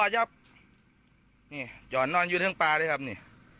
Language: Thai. อย่อนนอนอยู่ทั่วปลาเลยครับนี่